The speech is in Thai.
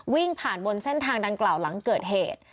วิ่งผ่านบนเส้นทางดังกล่าวหลังเกิดเหตุ